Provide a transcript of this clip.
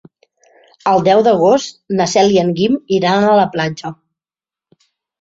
El deu d'agost na Cel i en Guim iran a la platja.